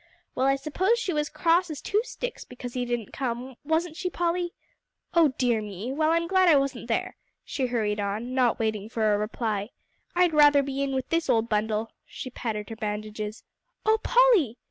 Well, I suppose she was cross as two sticks because he didn't come, wasn't she, Polly? Oh dear me! well, I'm glad I wasn't there," she hurried on, not waiting for a reply; "I'd rather be in with this old bundle" she patted her bandages "Oh Polly!"